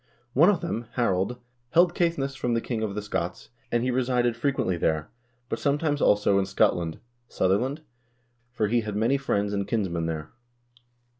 One of them, Harald, " held Caithness from the king of the Scots, and he resided frequently there, but sometimes, also, in Scotland (Sutherland?), for he had many friends and kinsmen there."